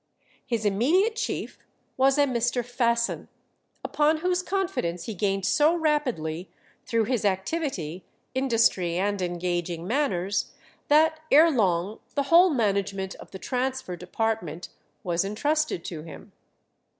His immediate chief was a Mr. Fasson, upon whose confidence he gained so rapidly, through his activity, industry, and engaging manners, that ere long the whole management of the transfer department was intrusted to him.